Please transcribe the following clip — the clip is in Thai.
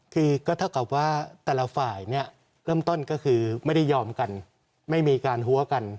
คือก็เท่ากับว่าแต่ละฝ่ายเนี่ยเริ่มต้นก็คือไม่ได้ยอมกันไม่มีการหัวกัน